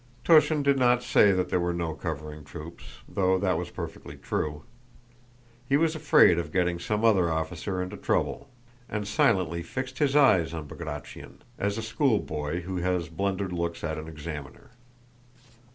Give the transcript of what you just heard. Túshin did not say that there were no covering troops, though that was perfectly true. He was afraid of getting some other officer into trouble, and silently fixed his eyes on Bagratión as a schoolboy who has blundered looks at an examiner.